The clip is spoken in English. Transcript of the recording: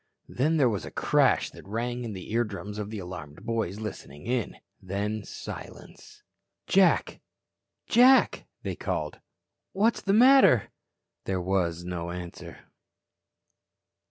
Then there was a crash that rang in the eardrums of the alarmed boys listening in. Then, silence. "Jack. Jack," they called. "What's the matter?" There was no answer.